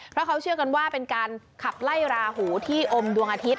เพราะเขาเชื่อกันว่าเป็นการขับไล่ราหูที่อมดวงอาทิตย